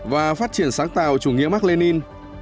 và phát triển sáng tạo chủ nghĩa mark lê ninh